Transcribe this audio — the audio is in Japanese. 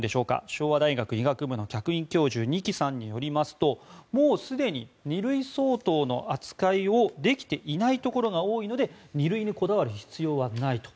昭和大学医学部の客員教授二木さんによりますともうすでに２類相当の扱いをできていないところが多いので２類にこだわる必要はないと。